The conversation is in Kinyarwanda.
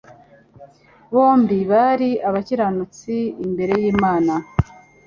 «bombi bari abakiranutsi imbere y'Imana».